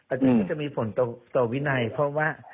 อาจารย์ก็จะมีผลต่อวินัยเพราะว่า